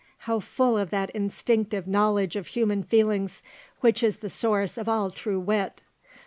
How full of that instinctive knowledge of human feelings which is the source of all true wit!